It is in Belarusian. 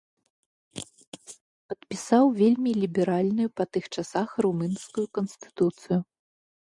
Падпісаў вельмі ліберальную па тых часах румынскую канстытуцыю.